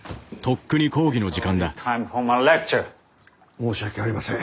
申し訳ありません。